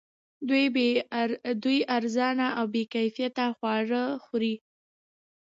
دوی ارزان او بې کیفیته خواړه خوري